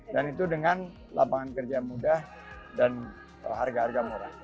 dan itu dengan lapangan kerja mudah dan harga harga murah